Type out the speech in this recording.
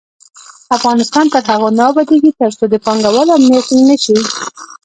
افغانستان تر هغو نه ابادیږي، ترڅو د پانګه والو امنیت ټینګ نشي.